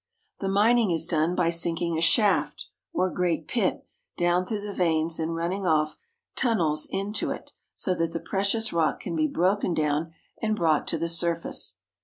The mining is done by sinking a shaft, or great pit, down through the veins and running off tunnels into it so that the precious rock can be broken down and brought to the surface.